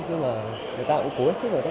nhưng mà người ta cũng cố hết sức rồi đấy